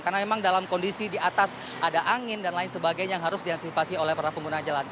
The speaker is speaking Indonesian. karena memang dalam kondisi di atas ada angin dan lain sebagainya yang harus diantisipasi oleh para pengguna jalan